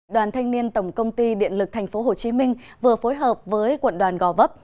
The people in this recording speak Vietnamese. đoàn thanh niên tổng công ty điện lực tp hcm vừa phối hợp với quận đoàn gò vấp